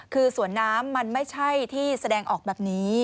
คือสวนน้ำมันไม่ใช่ที่แสดงออกแบบนี้